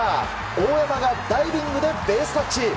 大山がダイビングでベースタッチ！